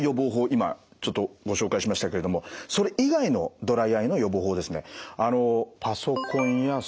今ちょっとご紹介しましたけれどもそれ以外のドライアイの予防法ですね